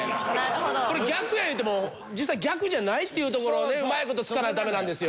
これ逆や言うても実際逆じゃないっていうところをねうまい事突かないとダメなんですよ。